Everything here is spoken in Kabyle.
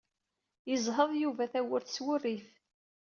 Yezheḍ Yuba tawwurt s wurrif.